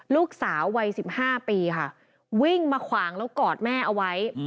ลูกสาววัย๑๕ปีค่ะวิ่งมาขวางแล้วกอดแม่เอาไว้